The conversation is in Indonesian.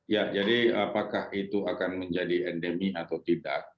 ya jadi apakah itu akan menjadi endemi atau tidak